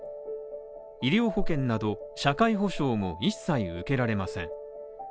医療保険など社会保障も一切受けられません。